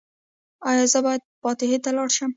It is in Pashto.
ایا زه باید فاتحې ته لاړ شم؟